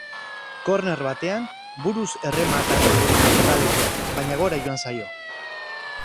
Korner batean buruz errematatu du hegalekoak, baina gora joan zaio.